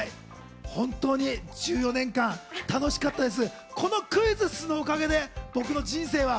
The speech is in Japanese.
本当に１４年間楽しかったです。